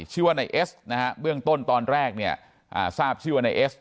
ชื่อว่านายเอสนะฮะเบื้องต้นตอนแรกเนี่ยทราบชื่อว่านายเอส